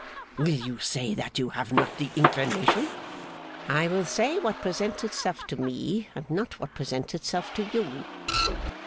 Will you say that you have not the inclination?' 'I will say what presents itself to me, and not what presents itself to you.